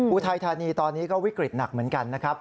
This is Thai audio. อุทัยธานีตอนนี้ก็วิกฤตหนักเหมือนกันนะครับ